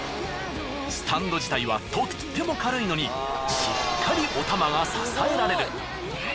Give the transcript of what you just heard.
スタンド自体はとっても軽いのにしっかりおたまが支えられる。